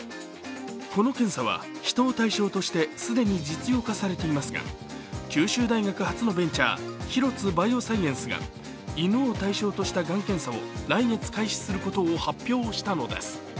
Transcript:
この検査は人を対象として既に実用化されていますが九州大学発のベンチャーＨＩＲＯＴＳＵバイオサイエンスが犬を対象としたがん検査を来月開始することを発表したのです。